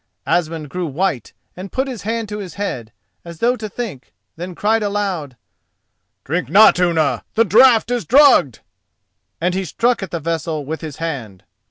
Asmund grew white and put his hand to his head, as though to think, then cried aloud: "Drink not, Unna! the draught is drugged!" and he struck at the vessel with his hand.